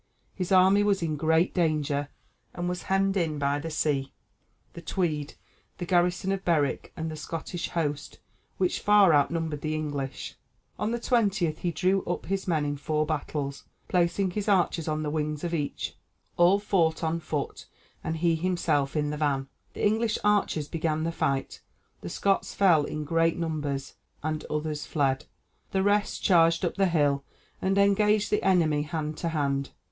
His army was in great danger, and was hemmed in by the sea, the Tweed, the garrison of Berwick, and the Scottish host, which far outnumbered the English. On the 20th he drew up his men in four battles, placing his archers on the wings of each; all fought on foot, and he himself in the van. The English archers began the fight; the Scots fell in great numbers, and others fled, the rest charged up the hill and engaged the enemy hand to hand.